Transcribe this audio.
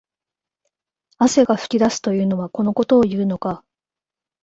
汗が噴き出すとはこのことを言うのか